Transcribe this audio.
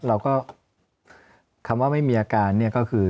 เราก็คำว่าไม่มีอาการเนี่ยก็คือ